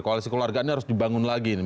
koalisi keluarga ini harus dibangun lagi